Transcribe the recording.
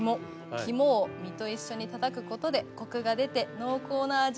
肝を身と一緒にたたくことでコクが出て濃厚な味わいに。